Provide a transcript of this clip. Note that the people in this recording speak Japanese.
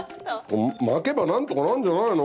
巻けばなんとかなるんじゃないの？